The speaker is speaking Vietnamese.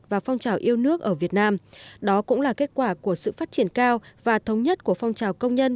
và phong trào yêu nước ở việt nam đó cũng là kết quả của sự phát triển cao và thống nhất của phong trào công nhân